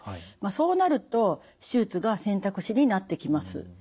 そうなると手術が選択肢になってきます。